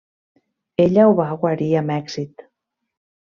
Ella ho va guarir amb èxit.